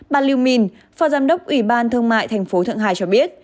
bà lưu minh phó giám đốc ủy ban thương mại thành phố thượng hải cho biết